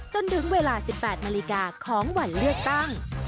จนถึงเวลา๑๘นาฬิกาของวันเลือกตั้ง